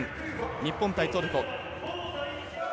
日本対トルコ。